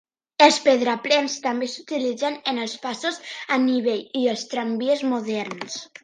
Els pedraplens també s'utilitzen en els passos a nivell i els tramvies moderns.